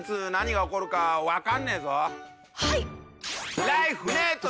はい！